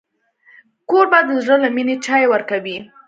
کوربه د زړه له مینې چای ورکوي.